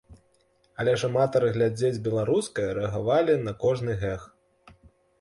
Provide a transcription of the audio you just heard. Але ж аматары глядзець беларускае рэагавалі на кожны гэг.